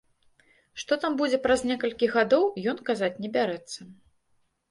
Што там будзе праз некалькі гадоў, ён казаць не бярэцца.